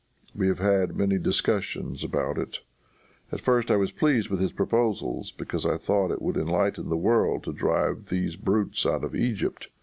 We have had many discussions about it. At first I was pleased with his proposals, because I thought it would enlighten the world to drive these brutes out of Egypt.